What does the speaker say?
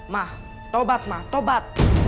mah tobat mah tobat